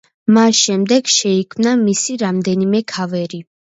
მას შემდეგ შეიქმნა მისი რამდენიმე ქავერი.